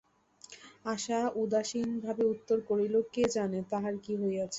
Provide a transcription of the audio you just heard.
আশা উদাসীন ভাবে উত্তর করিল, কে জানে, তাহার কী হইয়াছে।